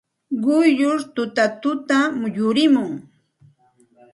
Quyllur tutatuta yurimun.